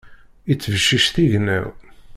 Ittbeccic tignaw.